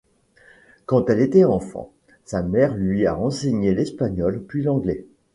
Quand elle était enfant, sa mère lui a enseigné l'espagnol puis l'anglais.